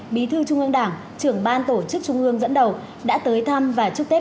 bí thư trung ương đảng trưởng ban tổ chức trung ương dẫn đầu đã tới thăm và chúc tết